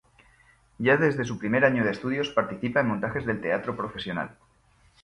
Ya desde su primer año de estudios participa en montajes del teatro profesional.